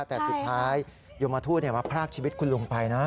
แต่สุดท้ายยมทูตมาพรากชีวิตคุณลุงไปนะ